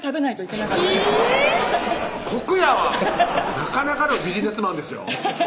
なかなかのビジネスマンですよ